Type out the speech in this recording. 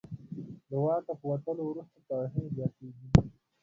له واکه په وتلو وروسته توهین زیاتېږي.